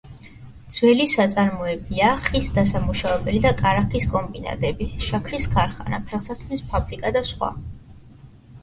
ძველი საწარმოებია ხის დასამუშავებელი და კარაქის კომბინატები, შაქრის ქარხანა, ფეხსაცმლის ფაბრიკა და სხვა.